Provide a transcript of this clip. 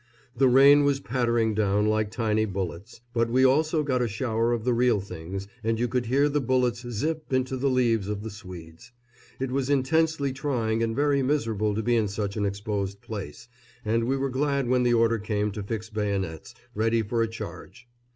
The rain was pattering down like tiny bullets, but we also got a shower of the real things, and you could hear the bullets "zip" into the leaves of the swedes. It was intensely trying and very miserable to be in such an exposed place, and we were glad when the order came to fix bayonets, ready for a charge.